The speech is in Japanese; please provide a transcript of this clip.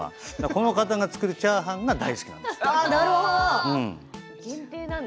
この方が作るチャーハンが大好きなんです。